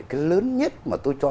cái lớn nhất mà tôi cho